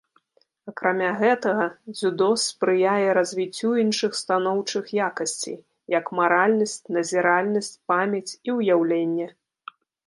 Акрамя гэтага, дзюдо спрыяе развіццю іншых станоўчых якасцей, як маральнасць, назіральнасць, памяць і ўяўленне.